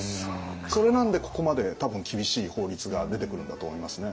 それなんでここまで多分厳しい法律が出てくるんだと思いますね。